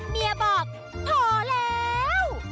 เมียบอกพอแล้ว